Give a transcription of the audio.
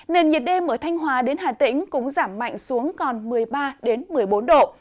nền nhiệt đêm ở thanh hóa đến hà tĩnh cũng giảm mạnh xuống còn một mươi ba một mươi bốn độ